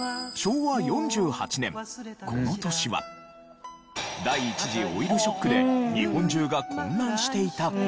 この年は第一次オイルショックで日本中が混乱していた頃。